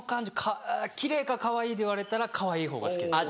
奇麗かかわいいで言われたらかわいいほうが好きです。